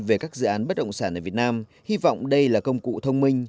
về các dự án bất động sản ở việt nam hy vọng đây là công cụ thông minh